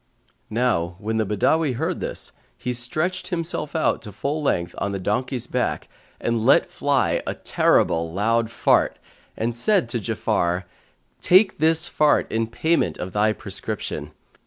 Now when the Badawi heard this, he stretched himself out to full length on the donkey's back and let fly a terrible loud fart[FN#142] and said to Ja'afar, "Take this fart in payment of thy prescription.